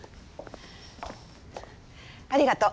ありがとう。